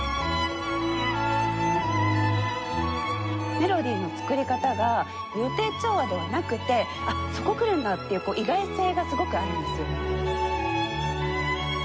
メロディーの作り方が予定調和ではなくて「あっそこくるんだ！」っていう意外性がすごくあるんですよ。